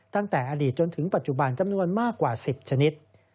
ตั้งแต่อดีตจนถึงปัจจุบันจำนวนมากกว่า๑๐ชนิด